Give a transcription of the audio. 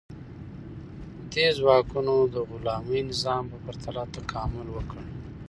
دې ځواکونو د غلامي نظام په پرتله تکامل وکړ.